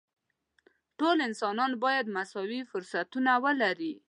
ټول انسانان باید مساوي فرصتونه ولري.